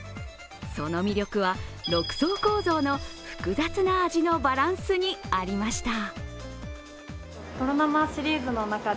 その魅力は、６層構造の複雑な味のバランスにありました。